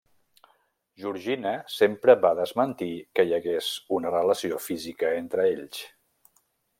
Georgina sempre va desmentir que hi hagués una relació física entre ells.